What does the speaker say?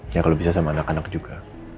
ya kalau bisa sama anak anak juga